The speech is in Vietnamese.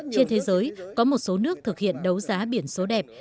trên thế giới có một số nước thực hiện đấu giá biển số đẹp